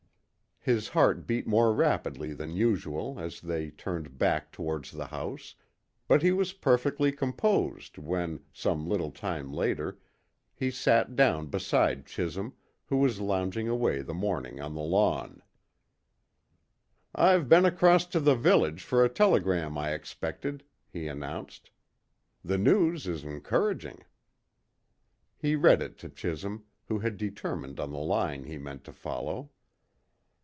His heart beat more rapidly than usual as they turned back towards the house, but he was perfectly composed when, some little time later, he sat down beside Chisholm, who was lounging away the morning on the lawn. "I've been across to the village for a telegram I expected," he announced. "The news is encouraging." He read it to Chisholm, who had determined on the line he meant to follow.